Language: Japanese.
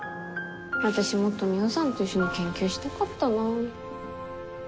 私もっと海音さんと一緒に研究したかったなぁ。